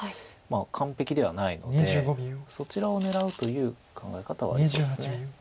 完璧ではないのでそちらを狙うという考え方はありそうです。